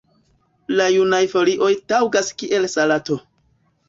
La junaj folioj taŭgas kiel salato.